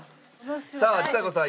さあちさ子さん